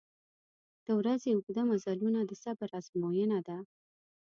• د ورځې اوږده مزلونه د صبر آزموینه ده.